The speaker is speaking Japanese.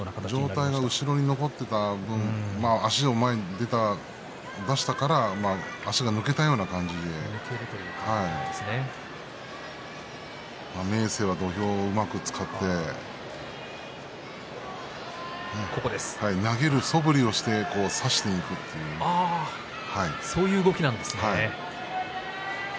上体が後ろに残った分だけ足を出したので足が抜けたような感じで明生は土俵をうまく使って投げるそぶりをしてそういう動きなんですね。